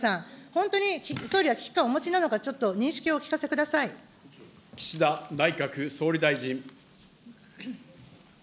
本当に総理は危機感をお持ちなのかどうか、ちょっと認識をお聞か岸田内閣総理大臣。